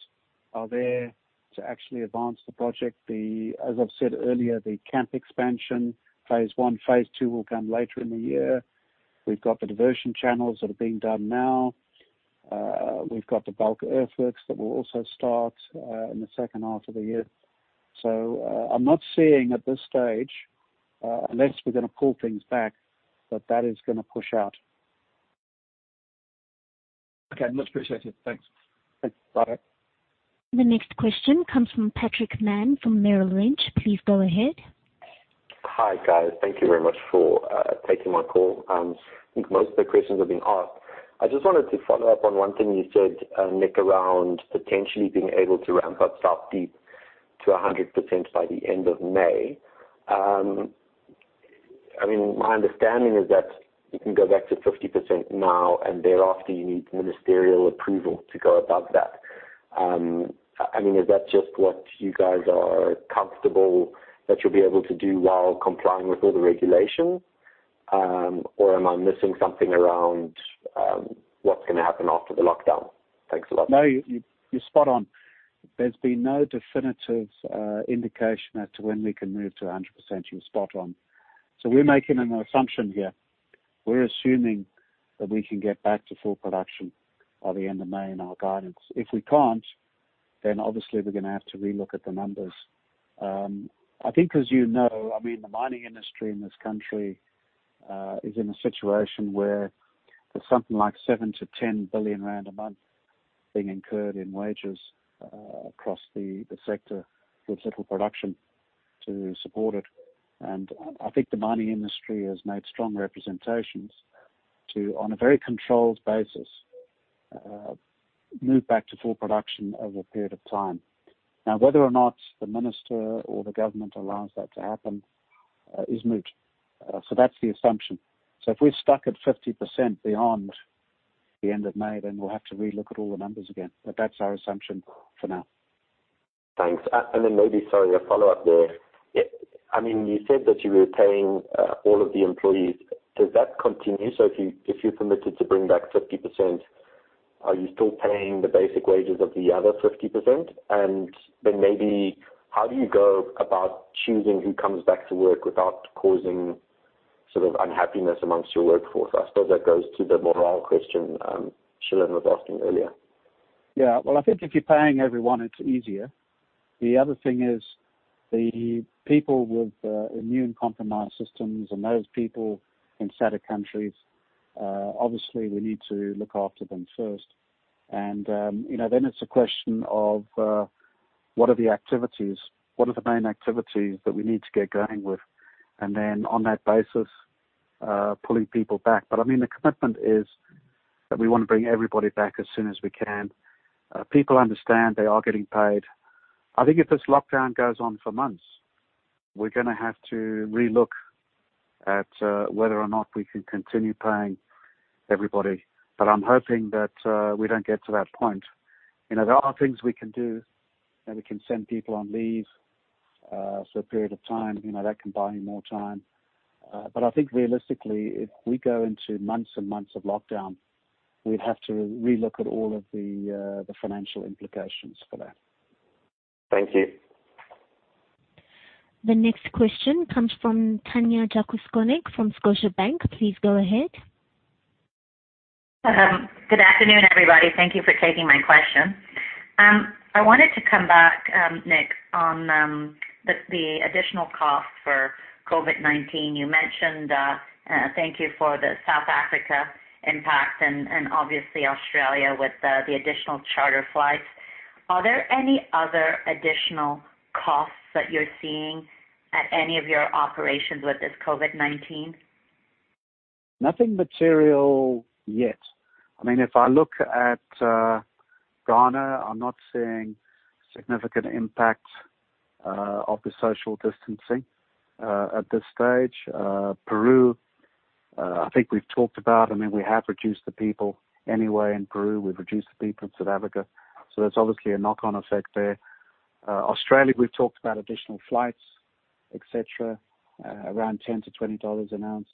are there to actually advance the project. As I've said earlier, the camp expansion, Phase 1, Phase 2 will come later in the year. We've got the diversion channels that are being done now. We've got the bulk earthworks that will also start in the second half of the year. I'm not seeing at this stage, unless we're going to pull things back, that is going to push out. Okay. Much appreciated. Thanks. Thanks. Bye. The next question comes from Patrick Mann from Merrill Lynch. Please go ahead. Hi, guys. Thank you very much for taking my call. I think most of the questions have been asked. I just wanted to follow up on one thing you said, Nick, around potentially being able to ramp up South Deep to 100% by the end of May. My understanding is that you can go back to 50% now, and thereafter, you need ministerial approval to go above that. Is that just what you guys are comfortable that you'll be able to do while complying with all the regulations? Or am I missing something around what's going to happen after the lockdown? Thanks a lot. No, you're spot on. There's been no definitive indication as to when we can move to 100%. You're spot on. We're making an assumption here. We're assuming that we can get back to full production by the end of May in our guidance. If we can't, then obviously we're going to have to relook at the numbers. I think as you know, the mining industry in this country is in a situation where there's something like 7 billion-10 billion rand a month being incurred in wages across the sector with little production to support it. I think the mining industry has made strong representations to, on a very controlled basis, move back to full production over a period of time. Whether or not the minister or the government allows that to happen is moot. That's the assumption. If we're stuck at 50% beyond the end of May, then we'll have to relook at all the numbers again. That's our assumption for now. Thanks. Maybe, sorry, a follow-up there. You said that you were paying all of the employees. Does that continue? If you're permitted to bring back 50%, are you still paying the basic wages of the other 50%? Maybe how do you go about choosing who comes back to work without causing sort of unhappiness amongst your workforce? I suppose that goes to the morale question Shilan was asking earlier. Yeah. Well, I think if you're paying everyone, it's easier. The other thing is the people with immune-compromised systems and those people in SADC countries, obviously we need to look after them first. Then it's a question of what are the main activities that we need to get going with? Then on that basis, pulling people back. The commitment is that we want to bring everybody back as soon as we can. People understand they are getting paid. I think if this lockdown goes on for months, we're going to have to relook at whether or not we can continue paying everybody. I'm hoping that we don't get to that point. There are things we can do, and we can send people on leave for a period of time. That can buy you more time. I think realistically, if we go into months and months of lockdown, we'd have to relook at all of the financial implications for that. Thank you. The next question comes from Tanya Jakusconek from Scotiabank. Please go ahead. Good afternoon, everybody. Thank you for taking my question. I wanted to come back, Nick, on the additional cost for COVID-19. You mentioned, thank you for the South Africa impact and obviously Australia with the additional charter flights. Are there any other additional costs that you're seeing at any of your operations with this COVID-19? Nothing material yet. If I look at Ghana, I'm not seeing significant impact of the social distancing at this stage. Peru, I think we've talked about, I mean, we have reduced the people anyway in Peru, we've reduced the people in South Africa. There's obviously a knock-on effect there. Australia, we've talked about additional flights, et cetera, around 10-20 dollars an ounce.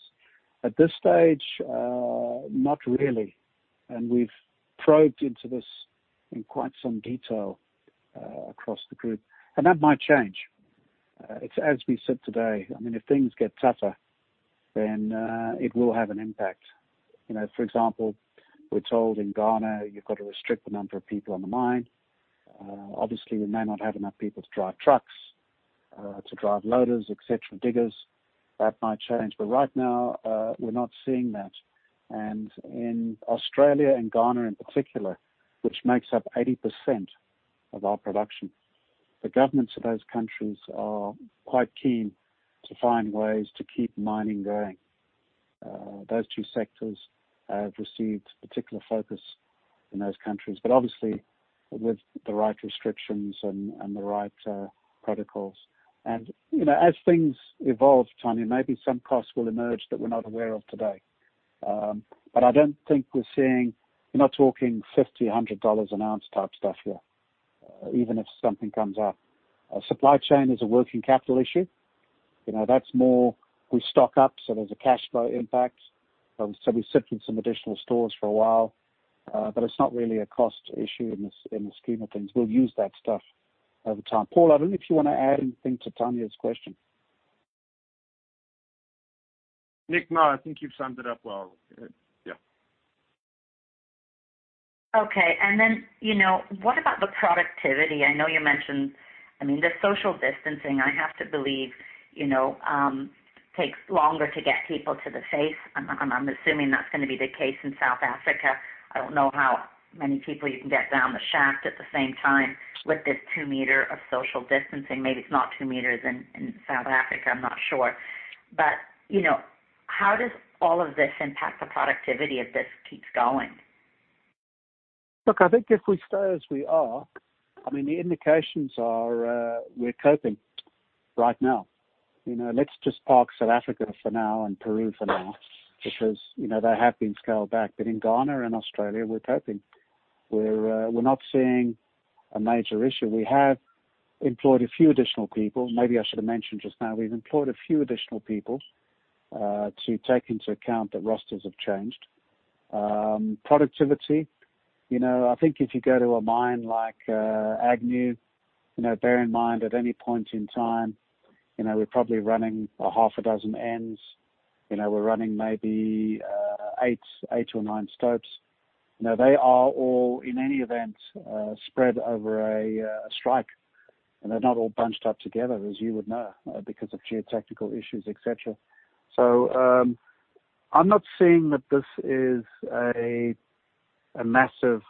At this stage, not really. We've probed into this in quite some detail, across the group. That might change. It's as we said today, I mean, if things get tougher, then it will have an impact. For example, we're told in Ghana you've got to restrict the number of people on the mine. Obviously, we may not have enough people to drive trucks, to drive loaders, et cetera, diggers. That might change. Right now, we're not seeing that. In Australia and Ghana in particular, which makes up 80% of our production, the governments of those countries are quite keen to find ways to keep mining going. Those two sectors have received particular focus in those countries, obviously with the right restrictions and the right protocols. As things evolve, Tanya, maybe some costs will emerge that we're not aware of today. I don't think we're seeing, we're not talking ZAR 50, ZAR 100 an ounce type stuff here, even if something comes up. Supply chain is a working capital issue. That's more, we stock up, so there's a cash flow impact. We sit with some additional stores for a while. It's not really a cost issue in the scheme of things. We'll use that stuff over time. Paul, I don't know if you want to add anything to Tanya's question. Nick, no, I think you've summed it up well. Yeah. Okay. What about the productivity? I know you mentioned, I mean, the social distancing, I have to believe takes longer to get people to the face. I'm assuming that's going to be the case in South Africa. I don't know how many people you can get down the shaft at the same time with this 2-meter of social distancing. Maybe it's not 2 meters in South Africa, I'm not sure. How does all of this impact the productivity if this keeps going? Look, I think if we stay as we are, I mean, the indications are we're coping right now. Let's just park South Africa for now and Peru for now because they have been scaled back. In Ghana and Australia, we're coping. We're not seeing a major issue. We have employed a few additional people. Maybe I should have mentioned just now, we've employed a few additional people to take into account that rosters have changed. Productivity, I think if you go to a mine like Agnew, bear in mind, at any point in time, we're probably running a half a dozen ends. We're running maybe eight or nine stopes. They are all, in any event, spread over a strike, and they're not all bunched up together, as you would know, because of geotechnical issues, et cetera. I'm not seeing that this is a massive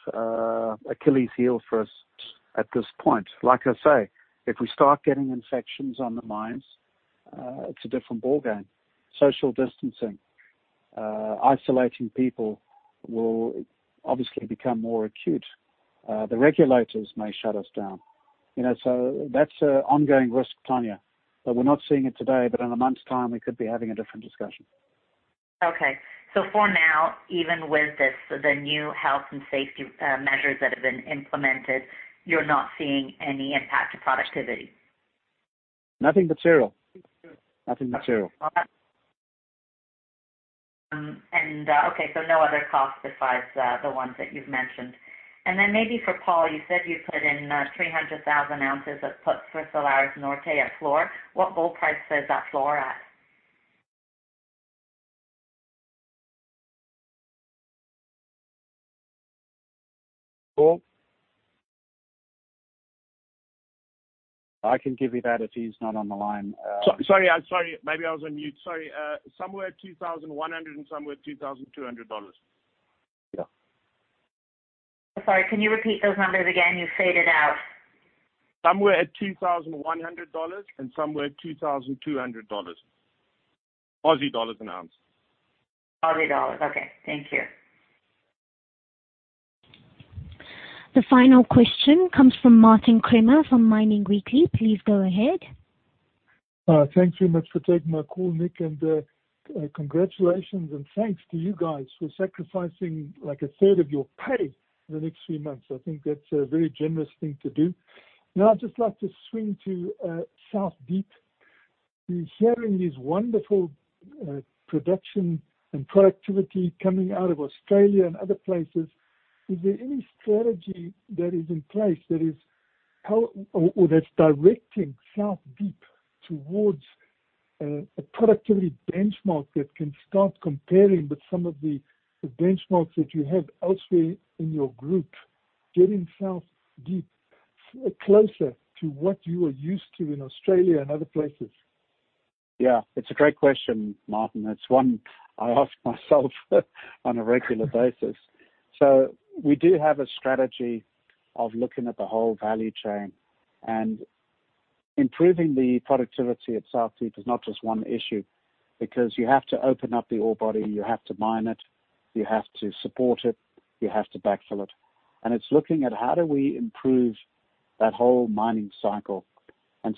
Achilles heel for us at this point. Like I say, if we start getting infections on the mines, it's a different ball game. Social distancing, isolating people will obviously become more acute. The regulators may shut us down. That's an ongoing risk, Tanya. We're not seeing it today, but in a month's time, we could be having a different discussion. Okay. For now, even with the new health and safety measures that have been implemented, you're not seeing any impact to productivity? Nothing material. Okay. No other cost besides the ones that you've mentioned. Maybe for Paul, you said you put in 300,000 ounces that put Salares Norte at floor. What gold price is that floor at? Paul? I can give you that if he's not on the line. Sorry. Maybe I was on mute. Sorry. Somewhere 2,100 and somewhere 2,200 dollars. Yeah. Sorry, can you repeat those numbers again? You faded out. Somewhere at 2,100 dollars and somewhere at 2,200 Aussie dollars. Aussie dollars an ounce. Aussie dollars. Okay. Thank you. The final question comes from Martin Creamer from Mining Weekly. Please go ahead. Thank you very much for taking my call, Nick, and congratulations and thanks to you guys for sacrificing a third of your pay for the next three months. I think that's a very generous thing to do. Now I'd just like to swing to South Deep. We're hearing this wonderful production and productivity coming out of Australia and other places. Is there any strategy that is in place or that's directing South Deep towards a productivity benchmark that can start comparing with some of the benchmarks that you have elsewhere in your group, getting South Deep closer to what you were used to in Australia and other places? Yeah. It's a great question, Martin. It's one I ask myself on a regular basis. We do have a strategy of looking at the whole value chain and improving the productivity at South Deep is not just one issue. Because you have to open up the ore body, you have to mine it, you have to support it, you have to backfill it. It's looking at how do we improve that whole mining cycle.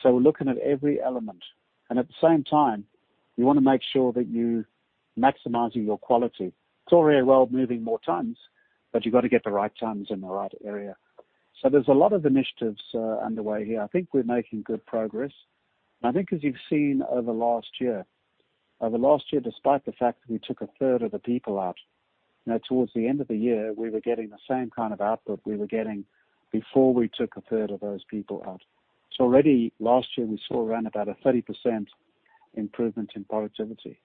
We're looking at every element. At the same time, you want to make sure that you're maximizing your quality. It's all very well moving more tons, but you've got to get the right tons in the right area. There's a lot of initiatives underway here. I think we're making good progress. I think as you've seen over last year, despite the fact that we took a third of the people out, towards the end of the year, we were getting the same kind of output we were getting before we took a third of those people out. Already last year, we saw around about a 30% improvement in productivity.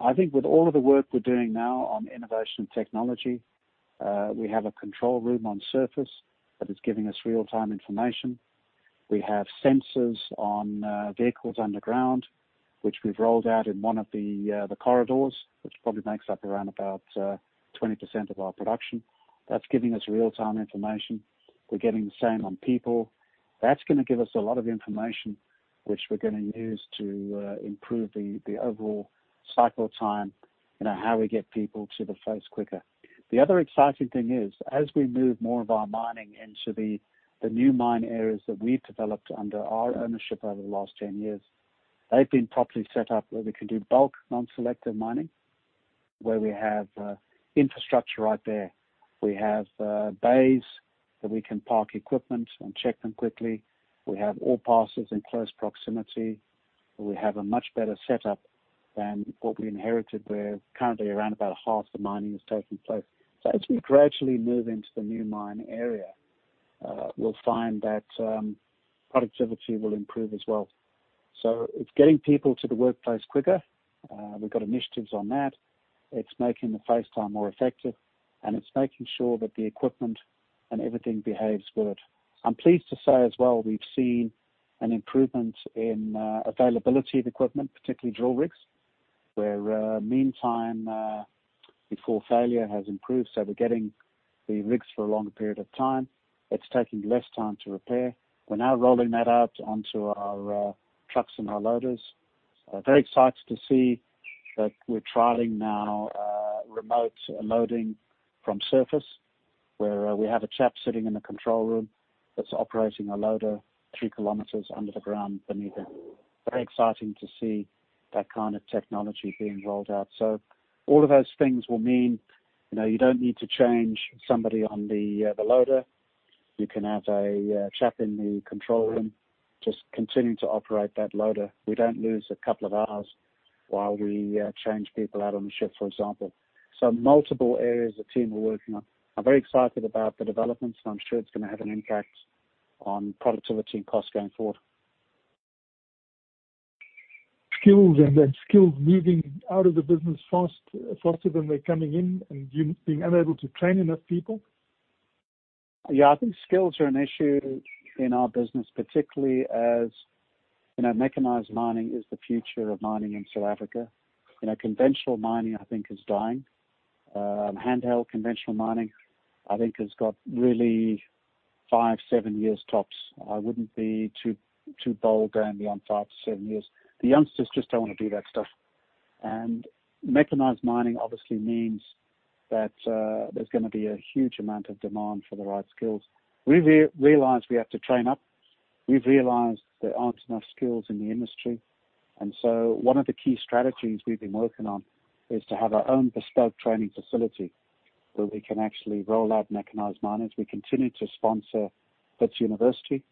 I think with all of the work we're doing now on innovation and technology, we have a control room on surface that is giving us real-time information. We have sensors on vehicles underground, which we've rolled out in one of the corridors, which probably makes up around about 20% of our production. That's giving us real-time information. We're getting the same on people. That's going to give us a lot of information which we're going to use to improve the overall cycle time, how we get people to the face quicker. The other exciting thing is, as we move more of our mining into the new mine areas that we've developed under our ownership over the last 10 years, they've been properly set up where we can do bulk non-selective mining, where we have infrastructure right there. We have bays that we can park equipment and check them quickly. We have ore passes in close proximity. We have a much better setup than what we inherited where currently around about half the mining is taking place. As we gradually move into the new mine area, we'll find that productivity will improve as well. It's getting people to the workplace quicker. We've got initiatives on that. It's making the face time more effective, and it's making sure that the equipment and everything behaves good. I'm pleased to say as well, we've seen an improvement in availability of equipment, particularly drill rigs, where mean time before failure has improved. We're getting the rigs for a longer period of time. It's taking less time to repair. We're now rolling that out onto our trucks and our loaders. Very excited to see that we're trialing now remote loading from surface, where we have a chap sitting in a control room that's operating a loader 3 km under the ground beneath him. Very exciting to see that kind of technology being rolled out. All of those things will mean you don't need to change somebody on the loader. You can have a chap in the control room just continue to operate that loader. We don't lose a couple of hours while we change people out on the shift, for example. Multiple areas the team are working on. I'm very excited about the developments, and I'm sure it's going to have an impact on productivity and cost going forward. Skills and then skills leaving out of the business faster than they're coming in and you being unable to train enough people? Yeah, I think skills are an issue in our business, particularly as mechanized mining is the future of mining in South Africa. Conventional mining, I think, is dying. Handheld conventional mining, I think, has got really five, seven years tops. I wouldn't be too bold going beyond five to seven years. The youngsters just don't want to do that stuff. Mechanized mining obviously means that there's going to be a huge amount of demand for the right skills. We've realized we have to train up. We've realized there aren't enough skills in the industry. One of the key strategies we've been working on is to have our own bespoke training facility where we can actually roll out mechanized miners. We continue to sponsor Wits University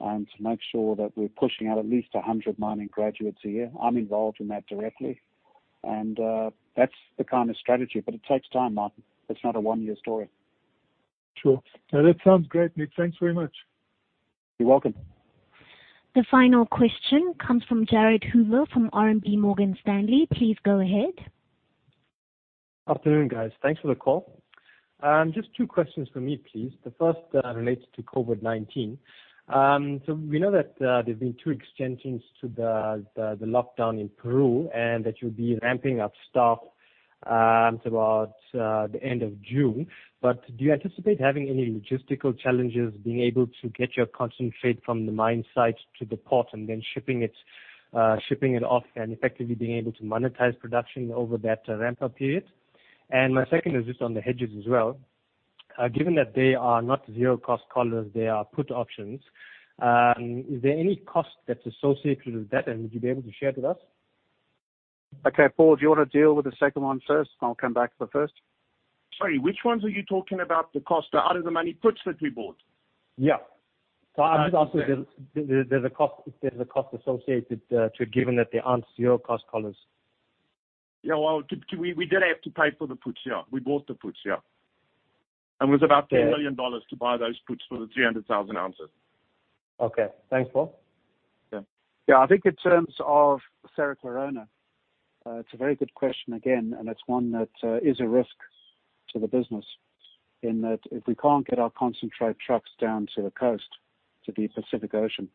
and to make sure that we're pushing out at least 100 mining graduates a year. I'm involved in that directly. That's the kind of strategy, but it takes time, Martin. It's not a one-year story. Sure. No, that sounds great, Nick. Thanks very much. You're welcome. The final question comes from Jared Hoover from RMB Morgan Stanley. Please go ahead. Afternoon, guys. Thanks for the call. Just two questions from me, please. The first relates to COVID-19. We know that there's been two extensions to the lockdown in Peru and that you'll be ramping up staff until about the end of June. Do you anticipate having any logistical challenges being able to get your concentrate from the mine site to the port and then shipping it off and effectively being able to monetize production over that ramp-up period? My second is just on the hedges as well. Given that they are not zero cost collars, they are put options, is there any cost that's associated with that, and would you be able to share it with us? Okay, Paul, do you want to deal with the second one first? I'll come back to the first. Sorry, which ones are you talking about the cost? Are out-of-the-money puts that we bought? Yeah. I'm just asking if there's a cost associated to given that they aren't zero cost collars. Yeah. Well, we did have to pay for the puts, yeah. We bought the puts, yeah. Yeah $10 million to buy those puts for the 300,000 ounces. Okay. Thanks, Paul. Yeah. I think in terms of Cerro Corona, it's a very good question again, and it's one that is a risk to the business in that if we can't get our concentrate trucks down to the coast, to the Pacific Ocean,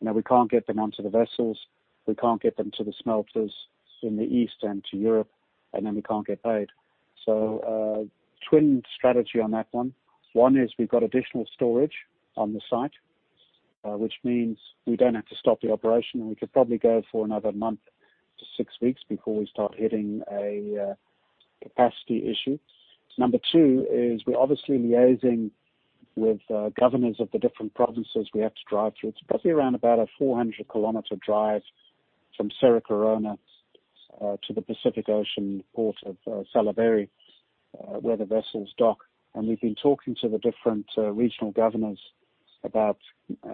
we can't get them onto the vessels, we can't get them to the smelters in the east and to Europe, and then we can't get paid. Twin strategy on that one. One is we've got additional storage on the site, which means we don't have to stop the operation, and we could probably go for another month to six weeks before we start hitting a capacity issue. Number two is we're obviously liaising with governors of the different provinces we have to drive through. It's probably around about a 400 km drive from Cerro Corona to the Pacific Ocean port of Salaverry, where the vessels dock. We've been talking to the different regional governors about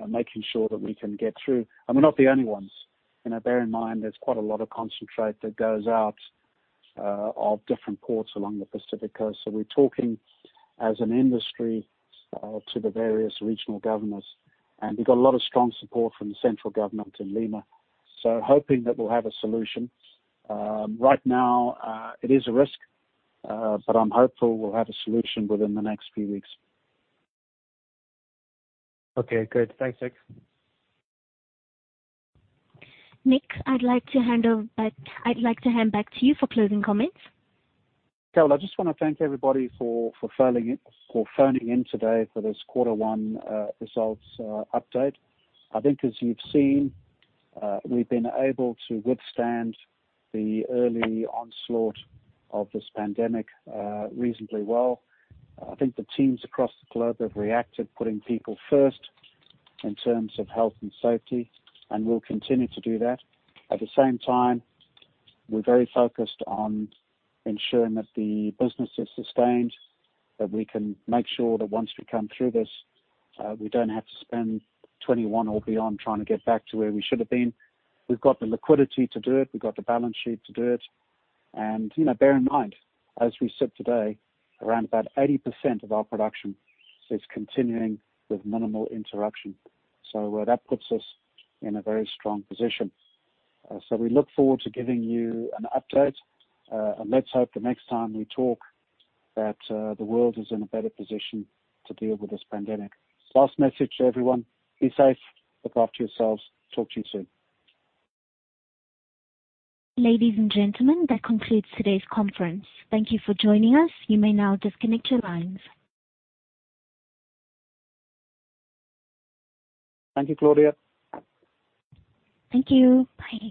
making sure that we can get through. We're not the only ones. Bear in mind, there's quite a lot of concentrate that goes out of different ports along the Pacific Coast. We're talking as an industry to the various regional governors, and we got a lot of strong support from the central government in Lima. Hoping that we'll have a solution. Right now, it is a risk, but I'm hopeful we'll have a solution within the next few weeks. Okay, good. Thanks, Nick. Nick, I'd like to hand back to you for closing comments. Carol, I just want to thank everybody for phoning in today for this quarter one results update. I think as you've seen, we've been able to withstand the early onslaught of this pandemic reasonably well. I think the teams across the globe have reacted, putting people first in terms of health and safety, and we'll continue to do that. At the same time, we're very focused on ensuring that the business is sustained, that we can make sure that once we come through this, we don't have to spend 2021 or beyond trying to get back to where we should have been. We've got the liquidity to do it. We've got the balance sheet to do it. Bear in mind, as we sit today, around about 80% of our production is continuing with minimal interruption. That puts us in a very strong position. We look forward to giving you an update. Let's hope the next time we talk that the world is in a better position to deal with this pandemic. Last message to everyone, be safe, look after yourselves. Talk to you soon. Ladies and gentlemen, that concludes today's conference. Thank you for joining us. You may now disconnect your lines. Thank you, Claudia. Thank you. Bye.